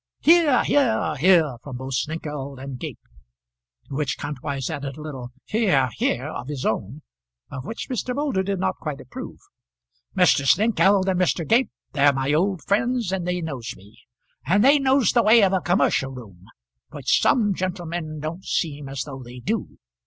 "Hear hear hear!" from both Snengkeld and Gape; to which Kantwise added a little "hear hear!" of his own, of which Mr. Moulder did not quite approve. "Mr. Snengkeld and Mr. Gape, they're my old friends, and they knows me. And they knows the way of a commercial room which some gentlemen don't seem as though they do.